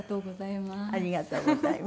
ありがとうございます。